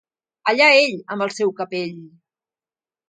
Allà ell, amb el seu capell.